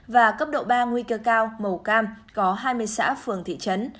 và cấp độ ba nguy cơ cao màu cam có hai mươi xã phường thị trấn